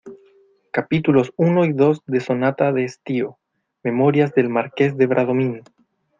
capítulos uno y dos de Sonata de Estío, Memorias del Marqués de Bradomín.